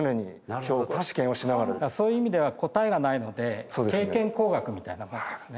そういう意味では答えがないので経験工学みたいなもんですね。